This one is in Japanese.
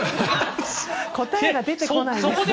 答えが出てこないんですよ。